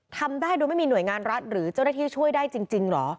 ทำได้โดยไม่มีหน่วยงานรัฐหรือเจ้าหน้าที่ช่วยได้จริงเหรอ